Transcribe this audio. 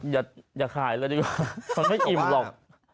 อย่าขายเลยดีกว่า